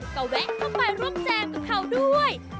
ก็แวะเข้าไปร่วมแจมกับเขาด้วย